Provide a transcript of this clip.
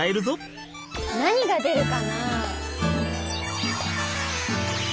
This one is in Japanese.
何が出るかな。